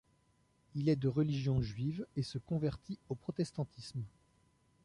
Il est de religion juive et se convertit au protestantisme.